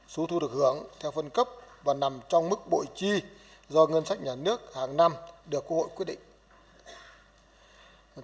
số thu được hưởng theo phân cấp và nằm trong mức bội chi do ngân sách nhà nước hàng năm được quốc hội quyết định